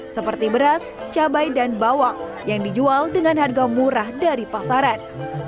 seperti beras cabai dan bawang yang dijual dengan harga murah dari pasaran